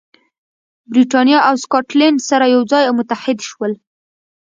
برېټانیا او سکاټلند سره یو ځای او متحد شول.